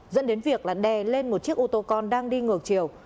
dẫn đến việc là đè lên một chiếc ô tô con đang đi ngược chiều